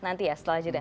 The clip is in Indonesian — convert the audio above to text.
nanti ya setelah jadinya